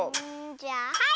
じゃあはい！